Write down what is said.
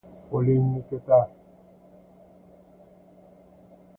— Qo‘lingni ko‘tar!